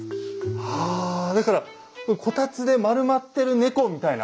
はぁだからこたつで丸まってる猫みたいな。